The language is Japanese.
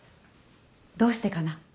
どうしてかな？